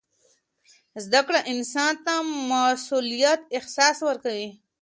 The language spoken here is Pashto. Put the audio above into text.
زده کړه انسان ته د مسؤلیت احساس ورکوي.